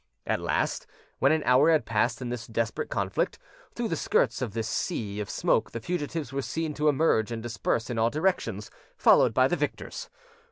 At last, when an hour had passed in this desperate conflict, through the skirts of this sea of smoke the fugitives were seen to emerge and disperse in all directions, followed by the victors.